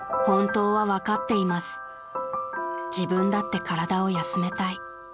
［自分だって体を休めたい］